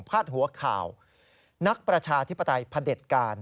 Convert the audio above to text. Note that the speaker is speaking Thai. หัวข่าวนักประชาธิปไตยพระเด็จการ